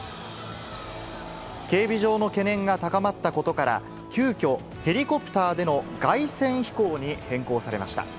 警備上の懸念が高まったことから、急きょ、ヘリコプターでの凱旋飛行に変更されました。